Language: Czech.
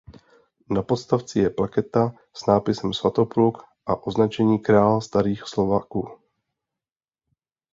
Na podstavci je plaketa s nápisem "Svatopluk" a označení "Král starých Slováků".